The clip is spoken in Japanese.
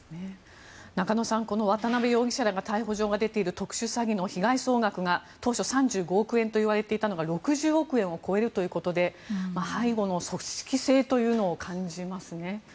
中野さん渡邉容疑者らが逮捕状が出ている特殊詐欺の被害総額が当初３５億円といわれていたのが６０億円を超えるということで背後の組織性というのを感じますね。